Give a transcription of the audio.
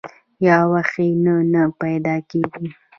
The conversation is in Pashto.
یا وحي نه نۀ پېدا کيږي